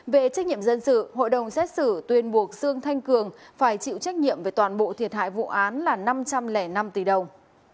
về trách nhiệm dân sự hội đồng xét xử tuyên buộc dương thanh cường phải chịu trách nhiệm về toàn bộ thiệt hại vụ án là năm trăm linh năm tỷ đồng